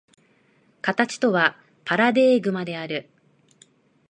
形とはパラデーグマである。